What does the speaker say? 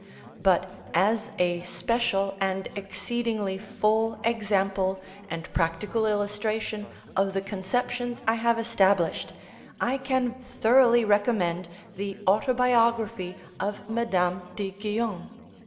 But as a special and exceedingly full example and practical illustration of the conceptions I have established, I can thoroughly recommend the "Autobiography of Madame de Guion."